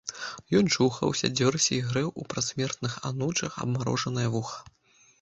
Ён чухаўся, дзёрся і грэў у прасмердлых анучах абмарожанае вуха.